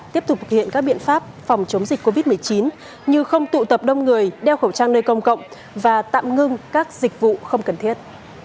tiếp tục thực hiện các biện pháp phòng chống dịch covid một mươi chín như không tụ tập đông người đeo khẩu trang nơi công cộng và tạm ngưng các dịch vụ không cần thiết